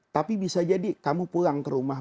tapi bisa jadi kamu pulang ke rumah